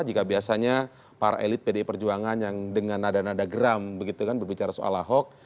jika biasanya para elit pd perjuangan yang dengan nada nada geram berbicara soal ahok